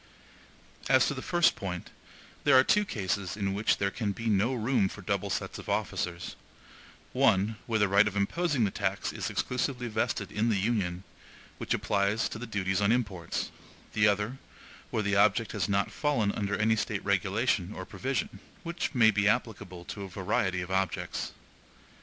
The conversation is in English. As to the first point, there are two cases in which there can be no room for double sets of officers: one, where the right of imposing the tax is exclusively vested in the Union, which applies to the duties on imports; the other, where the object has not fallen under any State regulation or provision, which may be applicable to a variety of objects.